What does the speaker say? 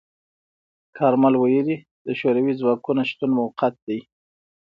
کارمل ویلي، د شوروي ځواکونو شتون موقت دی.